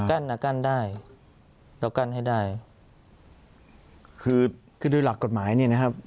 อ่ะกั้นได้เรากั้นให้ได้คือคือโดยหลักกฎหมายเนี่ยนะครับ